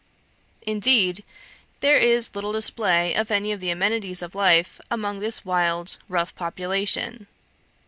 Indeed, there is little display of any of the amenities of life among this wild, rough population.